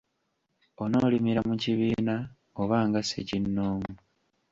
Onoolimira mu kibiina oba nga ssekinnoomu?